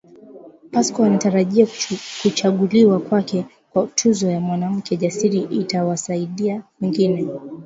Pascoe anatarajia kuchaguliwa kwake kwa tuzo ya Mwanamke Jasiri itawasaidia wengine